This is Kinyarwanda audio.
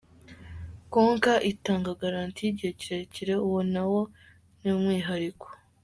Konka itanga Garanti y'igihe kirekire uwo nawo ni umwihariko.